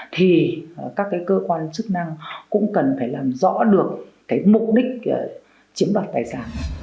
thì các cơ quan chức năng cũng cần phải làm rõ được cái mục đích chiếm đoạt tài sản